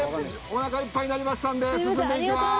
おなかいっぱいになりましたんで進んでいきます。